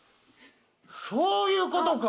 そういうことか！